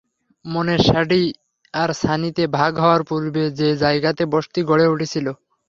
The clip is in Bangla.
মানে শ্যাডি আর সানি তে ভাগ হওয়ার পূর্বে যে জায়গাতে বসতি গড়ে উঠেছিল।